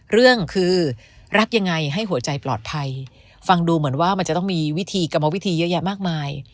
เรื่องคือรักยังไงให้หัวใจปลอดภัยฟังดูเหมือนว่ามันจะต้องมีวิธีกรรมวิธีเยอะแยะมากมาย